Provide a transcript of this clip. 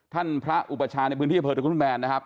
ท่านพระอุปชาณ์ในพื้นที่เผลอจังหุ้นแบนนะครับ